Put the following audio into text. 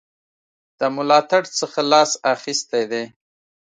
د ملاتړ څخه لاس اخیستی دی.